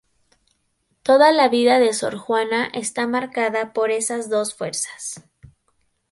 Toda la vida de sor Juana está marcada por esas dos fuerzas.